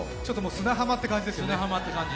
砂浜って感じですね。